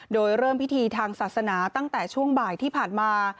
โดยเริ่มพิธีทางศาสนาตั้งแต่ช่วงบ่ายที่ผ่านมา